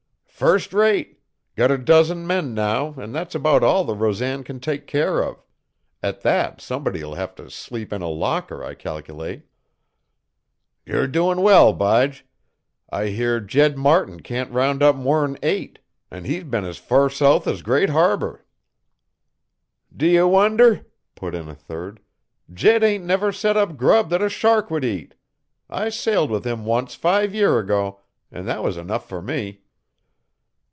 "First rate. Got a dozen men now an' that's about all the Rosan can take care of. At that somebody'll have to sleep on a locker, I cal'late." "You're doin' well, Bige. I hear Jed Martin can't round up more'n eight, an' he's been as fur south as Great Harbor." "D'ye wonder?" put in a third. "Jed ain't never set up grub that a shark would eat. I sailed with him once five year ago, an' that was enough fer me."